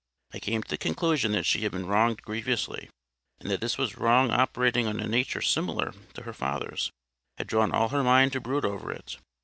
I came to the conclusion that she had been wronged grievously, and that this wrong operating on a nature similar to her father's, had drawn all her mind to brood over it.